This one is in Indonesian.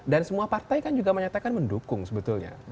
dan semua partai kan juga menyatakan mendukung sebetulnya